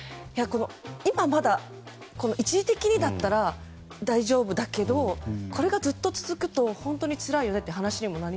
今まだ一時的にだったら大丈夫だけどこれがずっと続くと本当につらいよねという話になって。